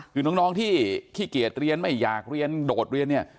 คือน้องที่ขี้เกียจเรียนไม่อยากเรียนโดดเรียนเนี่ย